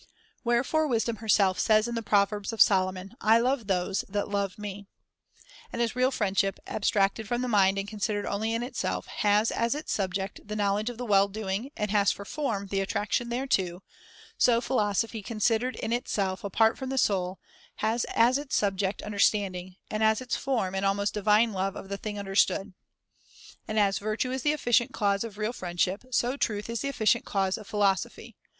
Wherefore wisdom herself says in the Proverbs of Solomon :' I love those that love me.' And as real C^3°II friendship, abstracted from the mind and considered only in itself, has as its subject the knowledge of the well doing and has for form the attraction thereto, so philo sophy considered in itself, apart from the soul, has as its subject understanding, and as its form an almost divine love of the thing understood. XI. THE THIRD TREATISE 199 And as virtue is the efficient cause of real Of con friendship, so truth is the efficient cause of^c'^P'a* philosophy.